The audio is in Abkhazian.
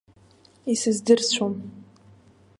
Исыздырцәом.